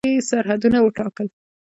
خپلو کې یې سرحدونه وټاکل.